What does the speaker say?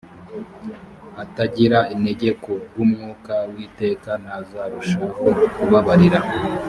atagira inenge ku bw umwuka w iteka ntazarushaho kubabarira